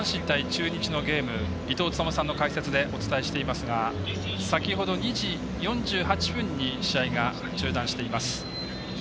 中日のゲーム伊東勤さんの解説でお伝えしていますが先ほど２時４８分に試合が中断しています。